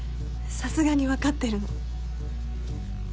さすがにわかってるの。